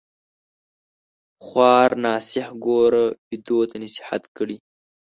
خوار ناصح ګوره ويدو تـــه نصيحت کړي